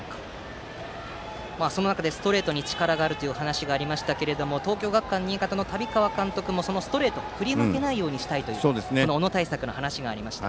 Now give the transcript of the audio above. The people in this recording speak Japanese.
その中でストレートに力があるというお話がありましたけれども東京学館新潟の旅川監督もそのストレートに振り負けないようにしたいと小野対策の話がありました。